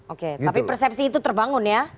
oke tapi persepsi itu terbangun ya